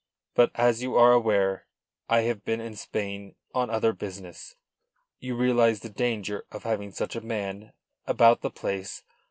But, as you are aware, I have been in Spain on other business. You realise the danger of having such a man about the place.